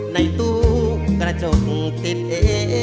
ในตู้กระจกติดเอ